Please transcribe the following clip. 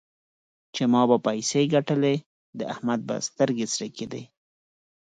چې ما به پيسې ګټلې؛ د احمد به سترګې سرې کېدې.